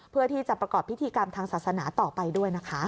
เพื่อที่จะประกอบพิธีกรรมทางศาสนาต่อไปด้วยนะคะ